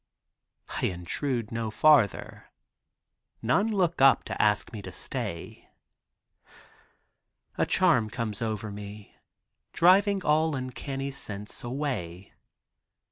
I intrude no farther. None look up to ask me to stay. A charm comes over me driving all uncanny sense away.